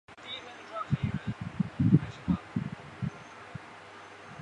皮林国家公园面积广大使得它成为保加利亚植物种类最多的地方。